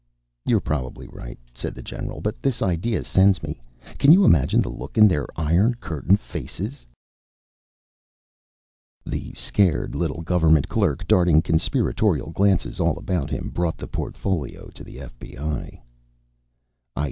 "You're probably right," said the general, "but this idea sends me. Can you imagine the look on their Iron Curtain faces?" The scared little government clerk, darting conspiratorial glances all about him, brought the portfolio to the FBI.